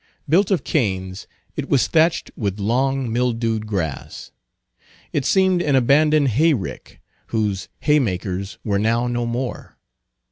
Built of canes, it was thatched with long, mildewed grass. It seemed an abandoned hay rick, whose haymakers were now no more.